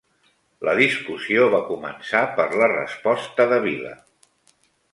La discussió va començar per la resposta de Vila